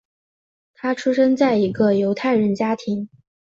他出生在一个犹太人家庭。